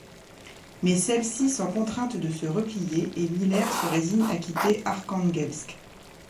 Mais celles-ci sont contraintes de se replier et Miller se résigne à quitter Arkhangelsk.